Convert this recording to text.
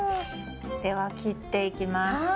では切っていきます。